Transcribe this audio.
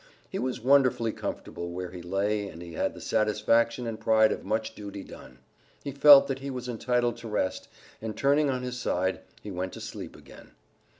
He was wonderfully comfortable where he lay and he had the satisfaction and pride of much duty done. He felt that he was entitled to rest, and, turning on his side, he went to sleep again.